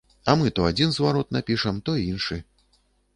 А мы то адзін зварот напішам, то іншы.